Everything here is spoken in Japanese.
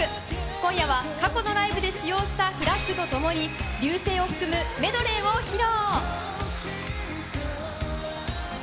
今夜は過去のライブで使用したフラッグとともに『Ｒ．Ｙ．Ｕ．Ｓ．Ｅ．Ｉ．』を含むメドレーを披露。